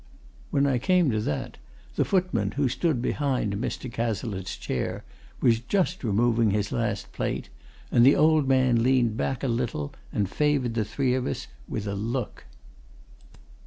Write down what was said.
When I came to that, the footman who stood behind Mr. Cazalette's chair was just removing his last plate, and the old man leaned back a little and favoured the three of us with a look.